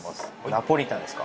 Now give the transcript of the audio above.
ナポリタンですか？